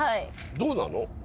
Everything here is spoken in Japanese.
どうなの？